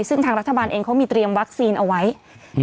ซึ่งทางรัฐบาลเองเขามีเตรียมวัคซีนเอาไว้อืม